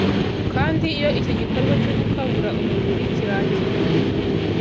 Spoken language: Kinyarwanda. kandi iyo icyo gikorwa cyo gukabura umubiri kirangiye